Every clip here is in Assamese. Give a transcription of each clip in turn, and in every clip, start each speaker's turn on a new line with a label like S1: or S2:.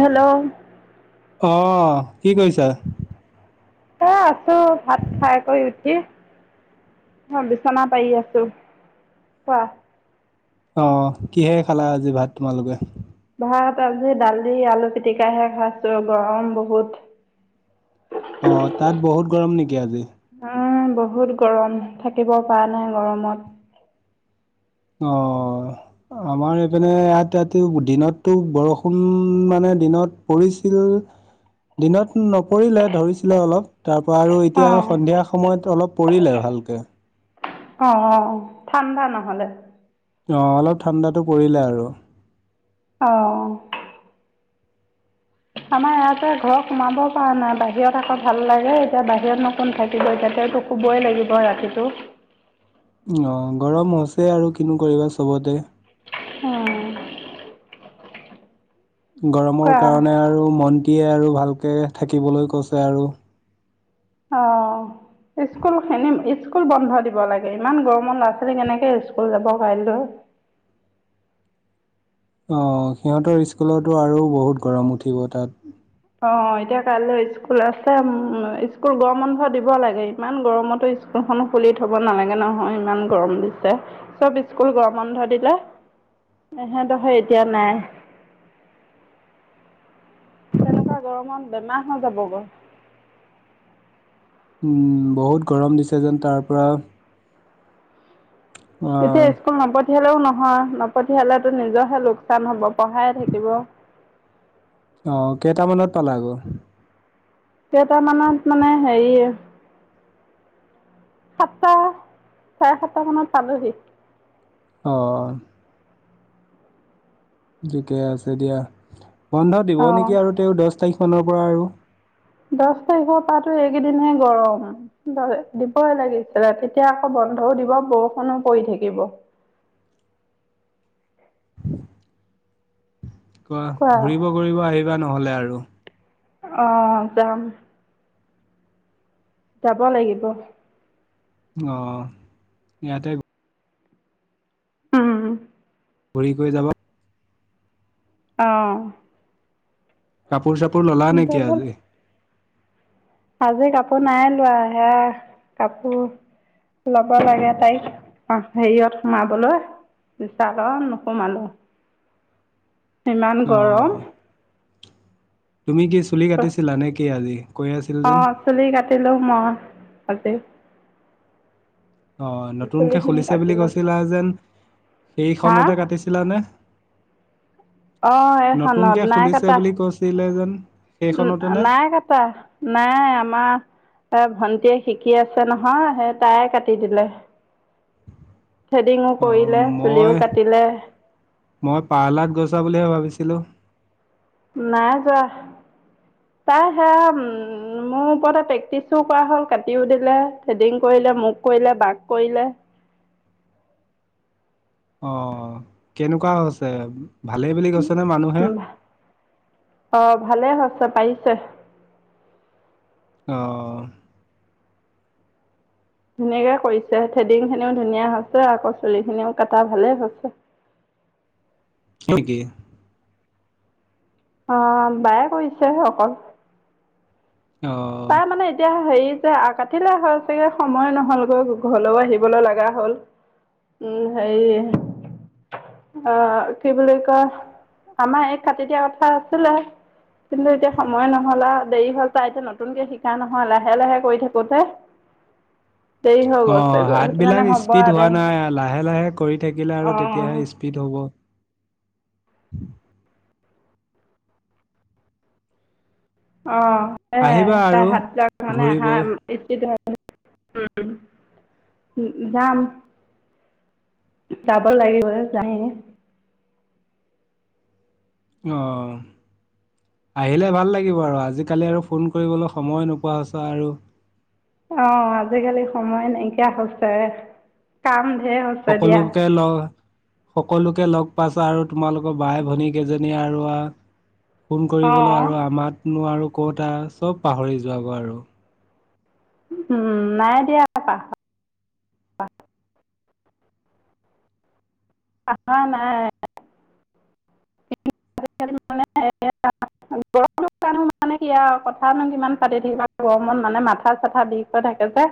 S1: হেল্ল'
S2: অঁ কি কৰিছা
S1: এ আছো ভাত খাই কৰি উঠি অ বিচনা পাৰি আছো কোৱা।
S2: অ কিহে খালা আজি ভাত তোমালোকে?
S1: ভাত আজি দালি আলু পিটিকাহে খাইছো গৰম বহুত
S2: অ তাত বহুত গৰম নেকি আজি?
S1: উম বহুত গৰম থাকিব পৰা নাই গৰমত।
S2: অ আমাৰ এইপিনে ইয়াত ইাত দিনতটো বৰষুণ মানে দিনত পৰিছিল। দিনত নপৰিলে ধৰিছিলে অলপ তাৰপৰা আৰু
S1: অ
S2: এতিয়া সন্ধিয়া সময়ত অলপ পৰিলে ভালকৈ।
S1: অ অ ঠাণ্ডা নহ'লে
S2: অঁ অলপ ঠাণ্ডাটো পৰিলে আৰু
S1: আহ। আমাৰ ইয়াতে ঘৰ সোমাব পৰা নাই বাহিৰত আকৌ ভাল লাগে এতিয়া বাহিৰত নো কোন থাকিব এতিয়া। এতিয়াটো শুবই লাগিব ৰাতিটো।
S2: অ গৰম হৈছে আৰু কিনো কৰিবা চবতে।
S1: উম
S2: গৰমৰ কাৰণে
S1: কোৱা
S2: আৰু মনটিয়ে আৰু ভালকে থাকিবলৈ কৈছে আৰু।
S1: অ স্কুল খিনিম ইচ। স্কুল বন্ধ দিব লাগে ইমান গৰমত ল'ৰা ছোৱালী কেনেকে স্কুল যাব কাইলৈ।
S2: অ সিহঁতৰ স্কুলৰতো আৰু বহুত গৰম উঠিব তাত।
S1: অ এতিয়া কাইলৈ স্কুল আছে উ স্কুল গৰম বন্ধ দিব লাগে ইমান গৰমতো। স্কুলখনো খুলি থব নালাগে নহয় ইমান গৰম দিছে চব স্কুল গৰম বন্ধ দিলে। এহেতহে এতিয়া নাই। তেনেকুৱা গৰমত বেমাৰ হৈ যাব গৈ।
S2: উম বহুত গৰম দিছে যেন তাৰ পৰা।
S1: তেতিয়া
S2: অ',
S1: স্কুল নপ পঠিয়ালেও নহয় নপঠিয়ালতো নিজৰহে লোকচান হ'ব পঢ়াইে থাকিব।
S2: আহ কেইটামানত পালা আকৌ।
S1: কেইটামানত মানে হেৰি সাতটা চাৰে সাতটা মানত পালহি।
S2: অঁ ঠিকে আছে দিয়া বন্ধ দিব
S1: অ'
S2: নেকি আৰু তেওঁ দহ তাৰিখ মানৰ পৰা আৰু।
S1: দহ তাৰিখৰ পাটো এইকেইদিনহে গৰম দিবই লাগিছিলে তেতিয়া আক ব বন্ধও দিব বৰষুণো পৰি থাকিব।
S2: ক
S1: কোৱা
S2: ঘূৰিব ঘূৰিব আহিবা নহ'লে আৰু
S1: আহ যাম। যাব লাগিব।
S2: অ ইয়াতে
S1: উম
S2: ঘূৰি গৈ যাবা।
S1: অহঁ
S2: কাপোৰ চাপোৰ ললা নেকি আজি?
S1: আজি কাপোৰ নাই লোৱা হে কাপোৰ ল'ব লাগে তাইক অ হেৰিয়ত সোমাবলৈ। বিচালত নোসোমালো। ইমান
S2: অ
S1: গৰম
S2: তুমি কি চুলি কাটিছিলা নে কি আজি? কৈ আছিল যেন?
S1: আহ চুলি কাটিলো মই আজি।
S2: অ নতুনকে
S1: চুলিখিনি
S2: খুলিছে বুলি
S1: কাটিলো
S2: কৈছিলা যেন। সেইখনতে
S1: হা
S2: কাটিছিলানে?
S1: [inaudible] অ এইখনত
S2: নতুনকে
S1: নাই
S2: খুলিছে
S1: কাটা
S2: বুলি কৈছিলে যেন সেইখনতে নে?
S1: নাই কাটা নাই। নাই আমাৰ এ ভন্টিয়ে শিকি আছে নহয় সেই তাই কাটি দিলে। থ্ৰেডিঙো
S2: অ
S1: কৰিলে চুলিও
S2: মই
S1: কাটিলে
S2: মই পাৰ্লাত গৈছা বুলিহে ভাবিছো। ছিলো।
S1: নাই যোৱা। তাই সেয়া উম মোৰ ওপৰতে প্ৰেক্টিচো কৰা হল কাটিও দিলে থ্ৰেডিং কৰি। কৰিলে মোক কৰিলে বাাক কৰিলে।
S2: অ কেনেকুৱা হৈছে? ভালেই বুলি কৈছে নে মানুহে
S1: অ ভালেই হৈছে পাৰিছে।
S2: আহ।
S1: ধুনীয়াকে কৰিছে থ্ৰেডিং খিনিও ধুনীয়া হৈছে আকৌ চুলি খিনিও কটা ভালেই হৈছে। [inaudible]
S2: এইখিনি কি।
S1: অ বায়ে কৰিছে অকল
S2: অহ
S1: তাৰ মানে এতিয়া হেৰি পিছে কাটিলে হয় চাগে সময় নহলগৈ ঘৰলৈও আহিবলৈ লগা হ'ল উম সেই আহ কি বুলি কয় আমাৰ এই কাটি দিয়া কথা আছিলে কিন্তু এতিয়া সময় নহলা দেৰি হল তাই এতিয়া ন নতুনকে শিকা নহয় লাহে লাহে কৰি থাকোতে দেৰি হৈল
S2: অ হাতবলাক স্পীড হোৱা নাই লাহে লাহে কৰি থাকিলে
S1: অ
S2: আৰু তেতিয়াহে স্পীড হ'ব উম
S1: অঁ এই
S2: আহিবা
S1: তাই
S2: আৰু
S1: হাত যাক মানে
S2: ঘূৰিব
S1: হা ই যাম যাব লাগিব যায়
S2: আহঁ আহিলে ভাল লাগিব আৰু আজিকালি আৰু ফোন কৰিবলৈ সময় নোপোৱা হৈছে আৰু
S1: অ আজিকালি সময় নাইকিয়া হৈছে কাম ঢেৰ হৈছে দিয়া
S2: সকলোকে ল সকলোকে লগ পাইছা আৰু তোমালোকৰ বাই ভনী কেইজনী আৰু ফোন কৰিবলৈ
S1: অঁ
S2: আৰু আমাতনো আৰু কত চব পাহৰি যোব আৰু
S1: উম নাই দিয়া পাহ পাপা নাই [unintelligible] মানে কি আৰু কথানো কিমান পাতি থাকিবা গৰমত মানে মাথা চাথা বিষ হৈ থাকে যে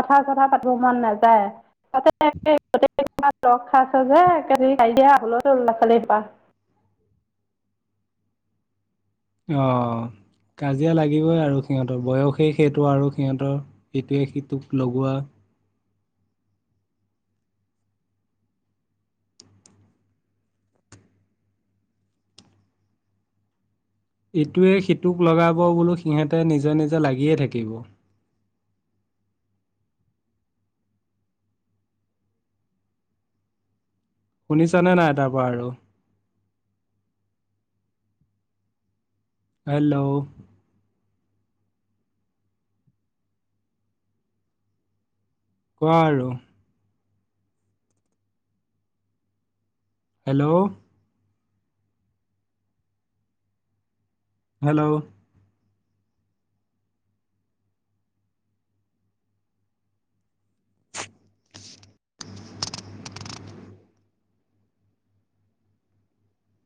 S1: কথা চথা পাতিব মন নাযায় তাতে গোটেই সোপা লগ খাইছে যে সেইকাৰণে কাজিয়া হূলস্থুল লৱা ছোৱালীসোপা
S2: অহ কাজিয়া লাগিবই আৰু সিহঁতৰ বয়সেই সেইটো আৰু সিহঁতৰ সেইটোৱে সিটোক লগোৱা। ইটোৱে সিটোক লগাব বো সিহঁতে নিজে নিজে লাগিয়ে থাকিব শুনিছানে নাই তাৰপা আৰু হেল্ল' কোৱা আৰু হেল্ল' হেল্ল'